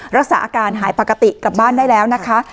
รักษาอาการหายปกติกลับบ้านได้แล้วนะคะ